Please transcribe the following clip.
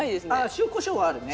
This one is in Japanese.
塩コショウはあるね。